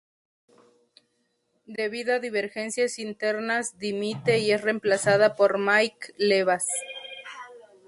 Debido a divergencias internas dimite y es reemplazada por Mike Le Bas.